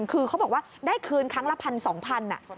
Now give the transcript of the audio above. คือเขาบอกว่าได้คืนครั้งละ๑๒๐๐บาท